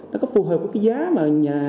nó có phù hợp với cái giá